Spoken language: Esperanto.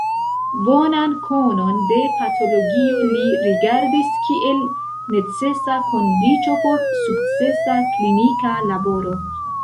Bonan konon de patologio li rigardis kiel necesa kondiĉo por sukcesa klinika laboro.